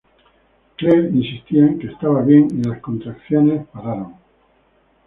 Claire insistía en que estaba bien y las contracciones pararon.